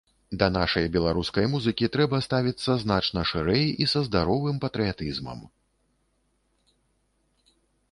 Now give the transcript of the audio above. Да нашай беларускай музыкі трэба ставіцца значна шырэй і са здаровым патрыятызмам.